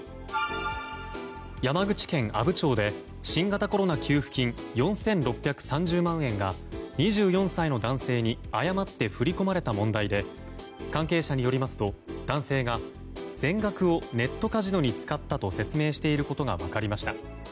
山口県阿武町で新型コロナ給付金４６３０万円が２４歳の男性に誤って振り込まれた問題で関係者によりますと男性が全額をネットカジノに使ったと説明していることが分かりました。